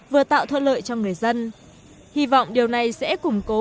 vừa tạo thuận lợi cho người dân hy vọng điều này sẽ củng cố